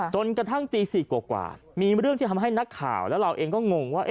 จนกระทั่งตี๔กว่ามีเรื่องที่ทำให้นักข่าวแล้วเราเองก็งงว่า